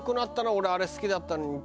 俺あれ好きだったのに。